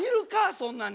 そんなに。